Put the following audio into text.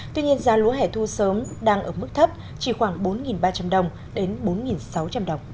tuy nhiên giá lúa hẻ thu sớm đang ở mức thấp chỉ khoảng bốn ba trăm linh đồng đến bốn sáu trăm linh đồng